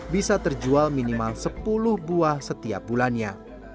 bisa terjual minimal sepuluh buah setiap bulannya